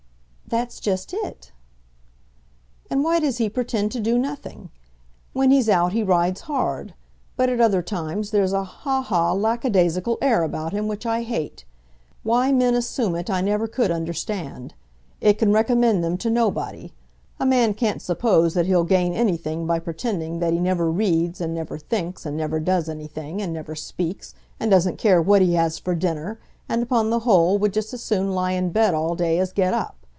"That's just it." "And why does he pretend to do nothing? When he's out he rides hard; but at other times there's a ha ha, lack a daisical air about him which I hate. Why men assume it I never could understand. It can recommend them to nobody. A man can't suppose that he'll gain anything by pretending that he never reads, and never thinks, and never does anything, and never speaks, and doesn't care what he has for dinner, and, upon the whole, would just as soon lie in bed all day as get up.